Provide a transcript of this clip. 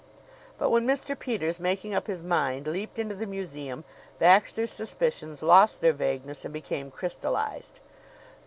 But when Mr. Peters, making up his mind, leaped into the museum, Baxter's suspicions lost their vagueness and became crystallized.